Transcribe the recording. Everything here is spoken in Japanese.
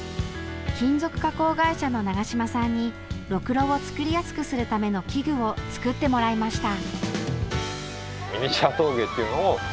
金属加工会社の長島さんにろくろを作りやすくするための器具を作ってもらいました。